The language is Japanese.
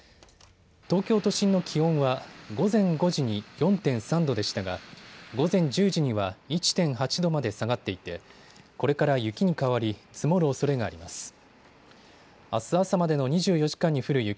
東京都心の気温は午前５時に４．３度でしたが午前１０時には１．８度まで下がっていてこれから雪に変わり積もるおそれがあります。